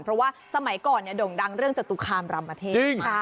เพราะว่าสมัยก่อนโด่งดังเรื่องจตุคามรามเทพ